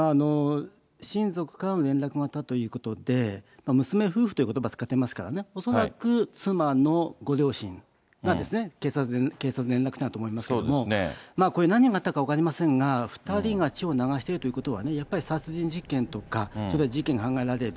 親族からの連絡があったということで、娘夫婦ということばを使ってますからね、恐らく妻のご両親なんですね、警察に連絡したんだと思いますけれども、これ何があったか分かりませんが、２人が血を流しているということは、やっぱり殺人事件とか、そういう事件が考えられる。